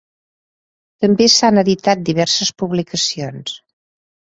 També s'han editat diverses publicacions.